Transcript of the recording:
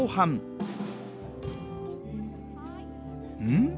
うん？